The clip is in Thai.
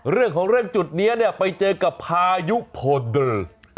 เรื่องของเรื่องจุดนี้เนี่ยไปเจอกับพายุโพเดอร์